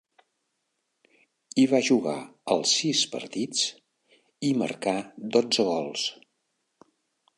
Hi va jugar els sis partits, i marcà dotze gols.